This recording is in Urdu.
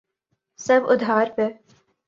سب ادھار پہ۔